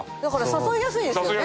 誘いやすいですね。